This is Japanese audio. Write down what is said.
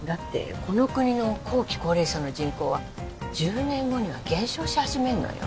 この国の後期高齢者の人口は１０年後には減少し始めるのよ